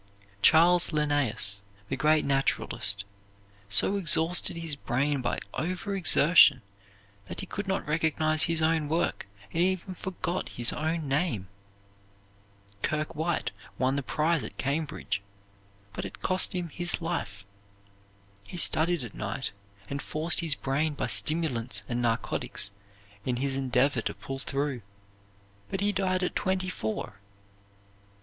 Charles Linnaeus, the great naturalist, so exhausted his brain by over exertion that he could not recognize his own work, and even forgot his own name. Kirk White won the prize at Cambridge, but it cost him his life. He studied at night and forced his brain by stimulants and narcotics in his endeavor to pull through, but he died at twenty four.